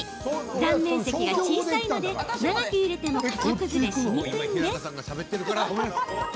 断面積が小さいので長くゆでても形崩れしにくいんです。